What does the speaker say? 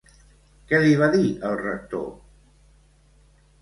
Què li va dir el rector?